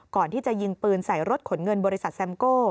ก่อนที่จะยิงปืนใส่รถขนเงินบริษัทแซมโก้